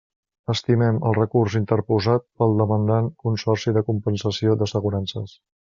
Estimem el recurs interposat pel demandant Consorci de Compensació d'Assegurances.